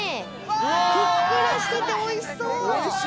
ふっくらしてて、おいしそう。